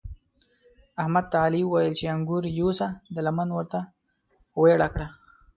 احمد ته علي وويل چې انګور یوسه؛ ده لمن ورته ويړه کړه.